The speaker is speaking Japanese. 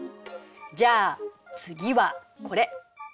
じゃあ次はこれ。